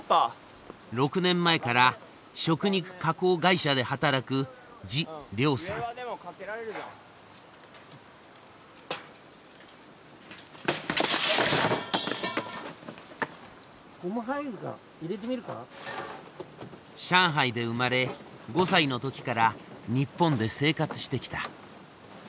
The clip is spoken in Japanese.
６年前から食肉加工会社で働く上海で生まれ５歳の時から日本で生活してきた。